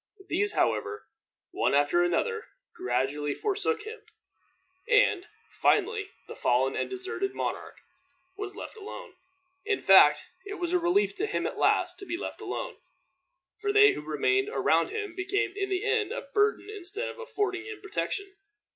These, however, one after another, gradually forsook him, and, finally, the fallen and deserted monarch was left alone. In fact, it was a relief to him at last to be left alone; for they who remained around him became in the end a burden instead of affording him protection.